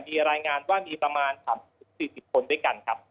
มีรายงานว่ามีประมาณ๓๔๐คนด้วยกันครับ